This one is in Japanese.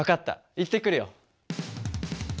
行ってくるよ。